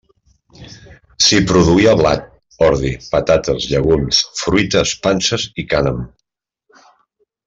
S'hi produïa blat, ordi, patates, llegums, fruites, panses i cànem.